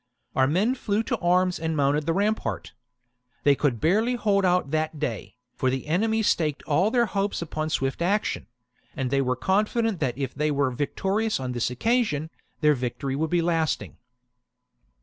Our men flew to arms and mounted the rampart. They could barely hold out that day, for the enemy staked all their hopes upon swift action ; and they were confident that if they were victorious on this occasion, their victory would be lasting.